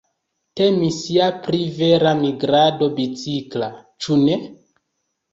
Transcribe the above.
Temis ja pri vera migrado bicikla, ĉu ne?